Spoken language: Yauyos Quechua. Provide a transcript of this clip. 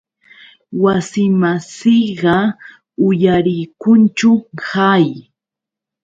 Wasimasiyqa uyarikunchu qay.